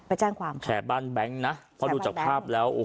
ไปแจ้งความภาพนะครับแชร์บ้านแบงก์นะเพราะดูจากภาพแล้ว